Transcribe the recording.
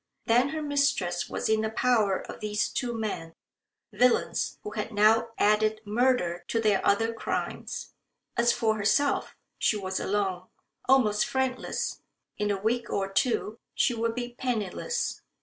Then her mistress was in the power of these two men villains who had now added murder to their other crimes. As for herself, she was alone, almost friendless; in a week or two she would be penniless.